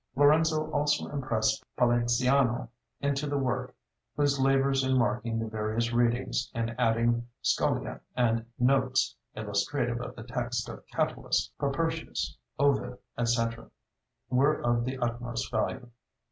Lorenzo also impressed Poliziano into the work, whose labors in marking the various readings, in adding scholia and "notes" illustrative of the text of Catullus, Propertius, Ovid, etc., were of the utmost value.